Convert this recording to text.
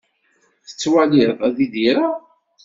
Tettwaliḍ ad idireɣ?